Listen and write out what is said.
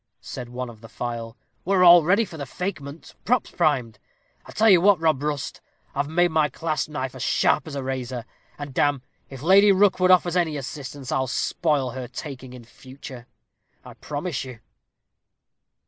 said he of the file. "We're all ready for the fakement pops primed and I tell you what, Rob Rust, I've made my clasp knife as sharp as a razor, and damme, if Lady Rookwood offers any resistance, I'll spoil her talking in future, I promise you."